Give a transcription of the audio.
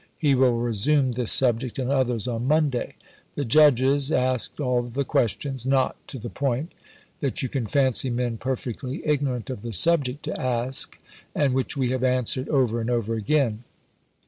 He will resume this subject and others on Monday. The Judges asked all the questions not to the point that you can fancy men perfectly ignorant of the subject to ask, and which we have answered over and over again.